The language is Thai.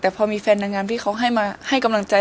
แต่พอมีแฟนนางงามที่เขาให้มาให้กำลังใจ